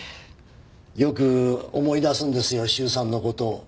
よく思い出すんですよ修さんの事を。